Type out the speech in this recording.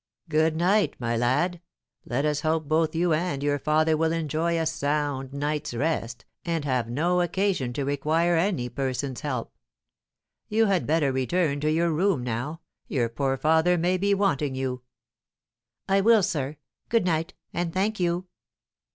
"Good night, my lad! Let us hope both you and your father will enjoy a sound night's rest, and have no occasion to require any person's help. You had better return to your room now; your poor father may be wanting you." "I will, sir. Good night, and thank you!"